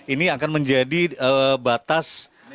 ini akan menjadi batas